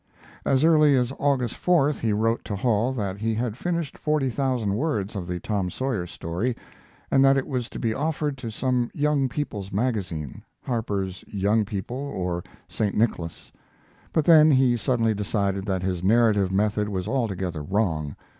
As early as August 4th he wrote to Hall that he had finished forty thousand words of the "Tom Sawyer" story, and that it was to be offered to some young people's magazine, Harper's Young People or St. Nicholas; but then he suddenly decided that his narrative method was altogether wrong.